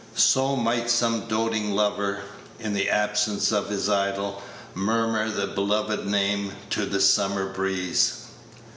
So might some doting lover, in the absence of his idol, murmur the beloved name to the summer breeze.